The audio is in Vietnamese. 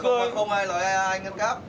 công an phòng căn đinh đây ngay đây luôn này